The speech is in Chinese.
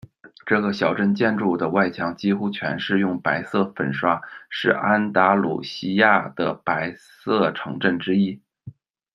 这个小镇建筑的外墙几乎全是用白色粉刷，是安达卢西亚的“白色城镇”之一。